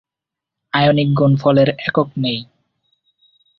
Ionic গুণফল এর একক নেই।